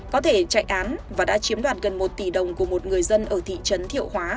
có thể chạy án và đã chiếm đoạt gần một tỷ đồng của một người dân ở thị trấn thiệu hóa